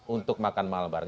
untuk makan malam bareng